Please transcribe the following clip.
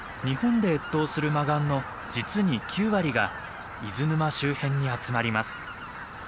日本で越冬するマガンの実に９割が伊豆沼周辺に集まります。